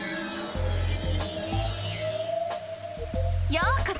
ようこそ！